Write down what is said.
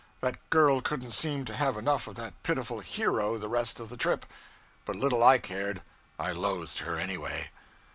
That girl couldn't seem to have enough of that pitiful 'hero' the rest of the trip; but little I cared; I loathed her, any way.